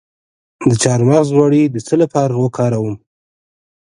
د چارمغز غوړي د څه لپاره وکاروم؟